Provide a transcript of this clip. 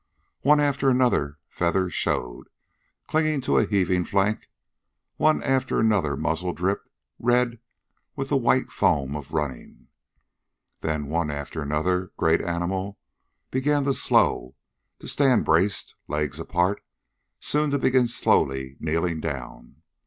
One after another feather showed, clinging to a heaving flank; one after another muzzle dripped red with the white foam of running; then one after another great animal began to slow; to stand braced, legs apart; soon to begin slowly kneeling down.